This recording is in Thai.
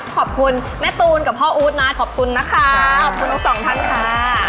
ขอบคุณแม่ตูนกับพ่ออู๊ดนะขอบคุณนะคะขอบคุณทั้งสองท่านค่ะ